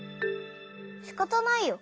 しかたないよ。